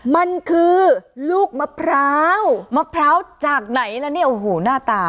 มันคือลูกมะพร้าวมะพร้าวจากไหนแล้วเนี่ยโอ้โหหน้าตา